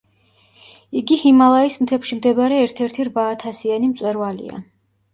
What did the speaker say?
იგი ჰიმალაის მთებში მდებარე ერთ-ერთი რვაათასიანი მწვერვალია.